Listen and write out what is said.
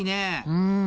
うん。